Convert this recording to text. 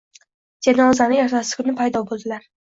Janozani ertasi kuni paydo boʻldilar.